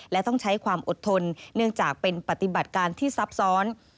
และต้องใช้ความอดทนเนื่องจากเป็นปฏิบัติการที่ซับซ้อน